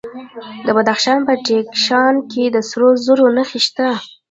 د بدخشان په تیشکان کې د سرو زرو نښې شته.